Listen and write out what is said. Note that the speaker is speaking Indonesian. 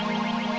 terima kasih pak